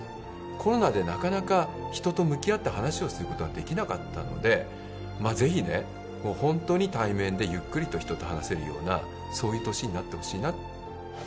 コロナでなかなか人と向き合って話をすることができなかったので、ぜひね、もう本当に対面でゆっくりと人と話せるような、そういう年になってほしいな。